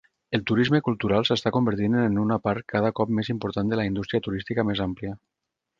El turisme cultural s'està convertint en una part cada cop més important de la indústria turística més àmplia.